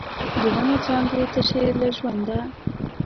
د ونو څانګې تشې له ژونده